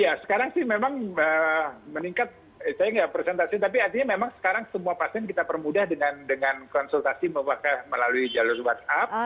ya sekarang sih memang meningkat saya nggak presentasi tapi artinya memang sekarang semua pasien kita permudah dengan konsultasi melalui jalur whatsapp